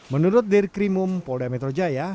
menurut dirkrimum polda metro jaya